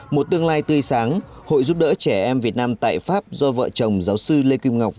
một tương lai tươi sáng hội giúp đỡ trẻ em việt nam tại pháp do vợ chồng giáo sư lê kim ngọc